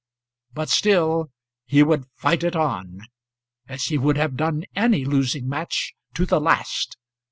But still he would fight it on, as he would have done any losing match, to the last.